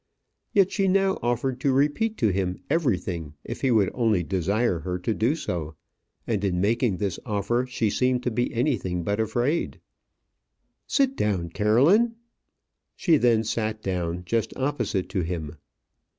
Yet she now offered to repeat to him everything if he would only desire her to do so; and in making this offer, she seemed to be anything but afraid. "Sit down, Caroline." She then sat down just opposite to him.